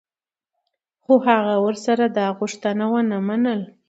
خو هغه ورسره دا غوښتنه و نه منله.